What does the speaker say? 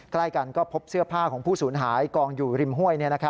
ใกล้กันก็พบเสื้อผ้าของผู้สูญหายกองอยู่ริมห้วย